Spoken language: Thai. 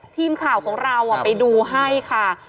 ทีมข่าวของเราไปดูให้ค่ะ